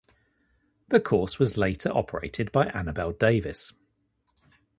The course was later operated by Annabelle Davis.